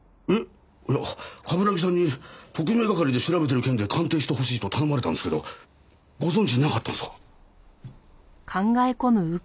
いや冠城さんに特命係で調べてる件で鑑定してほしいと頼まれたんですけどご存じなかったんですか？